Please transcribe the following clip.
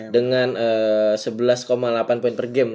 dengan sebelas delapan poin per game